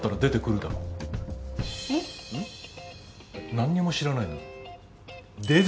何にも知らないんだな。